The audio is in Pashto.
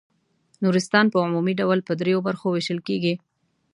نورستان په عمومي ډول په دریو برخو وېشل کیږي.